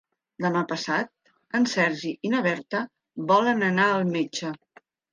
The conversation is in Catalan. Demà passat en Sergi i na Berta volen anar al metge.